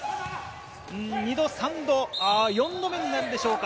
２度、３度、４度目になるでしょうか。